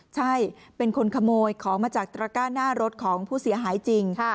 ใช่เป็นคนขโมยของมาจากตระก้าหน้ารถของผู้เสียหายจริง